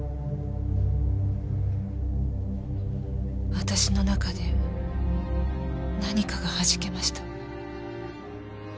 私の中で何かが弾けました。